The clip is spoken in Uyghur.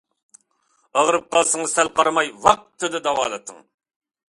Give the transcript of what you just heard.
ئاغرىپ قالسىڭىز سەل قارىماي، ۋاقتىدا داۋالىنىڭ.